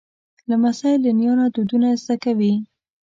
لمسی له نیا نه دودونه زده کوي.